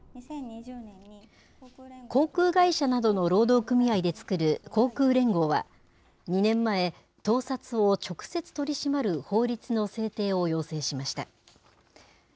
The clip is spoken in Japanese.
航空会社などの労働組合で作る航空連合は、２年前、盗撮を直接取り締まる法律の制定を要請しました。